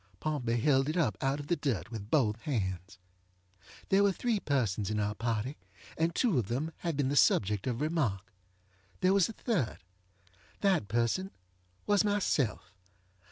Pompey held it up out of the dirt with both hands. There were three persons in our party, and two of them have already been the subject of remark. There was a thirdŌĆöthat person was myself.